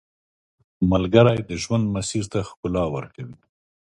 ملګری د ژوند مسیر ته ښکلا ورکوي